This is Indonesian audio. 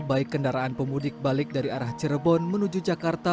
baik kendaraan pemudik balik dari arah cirebon menuju jakarta